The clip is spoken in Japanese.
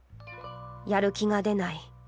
やる気がでない。